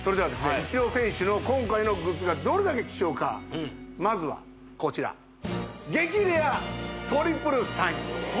イチロー選手の今回のグッズがどれだけ貴重かまずはこちらトリプルサイン？